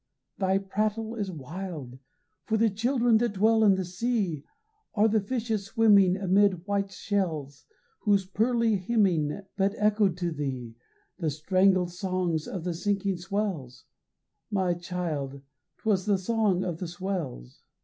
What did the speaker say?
Thy prattle is wild, For the children that dwell in the sea Are the fishes swimming Amid white shells Whose pearly hymning But echoed to thee The strangled songs of the sinking swells My child, 'twas the song of the swells."